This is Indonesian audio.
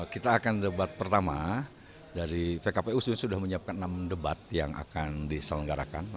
kita akan debat pertama dari pkpu sudah menyiapkan enam debat yang akan diselenggarakan